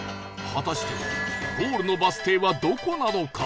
果たしてゴールのバス停はどこなのか？